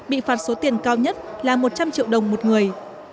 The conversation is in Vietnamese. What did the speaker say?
bị phạt số tiền cao nhất là một trăm linh triệu đồng một người